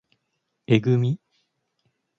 えぐみ